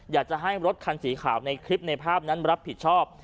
อยากจะให้รถคันสีขาวในคลิปในภาพนั้นรับผิดชอบ